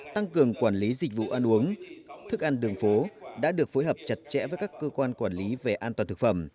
tăng cường quản lý dịch vụ ăn uống thức ăn đường phố đã được phối hợp chặt chẽ với các cơ quan quản lý về an toàn thực phẩm